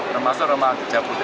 memasuk rumah kerja putri